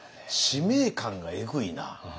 使命感がえぐいな。